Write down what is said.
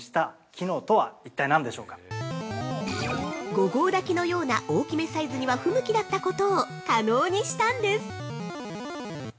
◆５合炊きのような大きめサイズには不向きだったことを可能にしたんです。